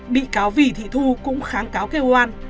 bị cáo vì thị thu cũng kháng cáo kêu oan